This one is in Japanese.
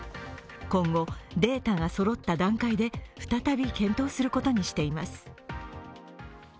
今後、データがそろった段階で再び検討することにしています。